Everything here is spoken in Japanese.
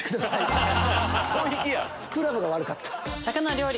クラブが悪かった。